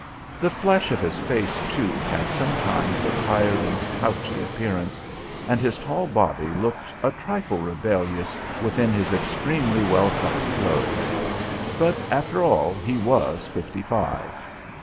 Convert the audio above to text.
The flesh of his face, too, had sometimes a tired and pouchy appearance, and his tall body looked a trifle rebellious within his extremely well cut clothes; but, after all, he was fifty five.